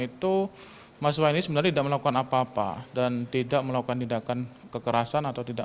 itu mahasiswa ini sebenarnya tidak melakukan apa apa dan tidak melakukan tindakan kekerasan atau tidak